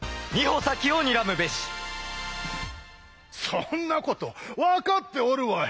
そんなこと分かっておるわい！